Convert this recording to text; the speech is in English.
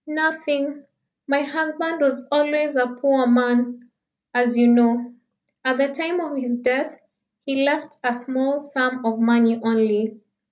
"Nothing. My husband was always a poor man, as you know. At the time of his death he left a small sum of money only.